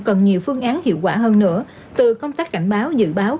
cần nhiều phương án hiệu quả hơn nữa từ công tác cảnh báo dự báo